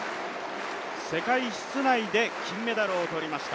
世界室内で金メダルを取りました。